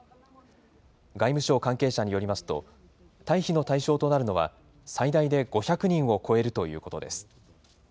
外務省関係者によりますと、退避の対象となるのは、最大で５００人を超えるということです。